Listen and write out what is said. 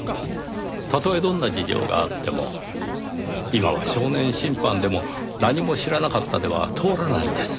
たとえどんな事情があっても今は少年審判でも「何も知らなかった」では通らないんです。